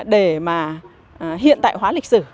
để mà hiện tại hóa lịch sử